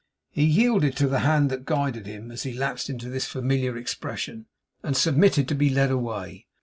He yielded to the hand that guided him, as he lapsed into this familiar expression, and submitted to be led away.